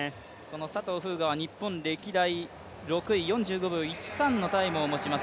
佐藤風雅は日本歴代６位４４秒１３のタイムを持ちます。